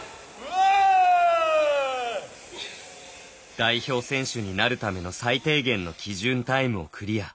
代表選手になるための最低限の基準タイムをクリア。